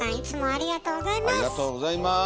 ありがとうございます。